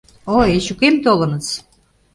Ой, Эчукем толыныс.